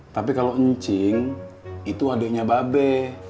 tapi kalo encing itu adeknya babe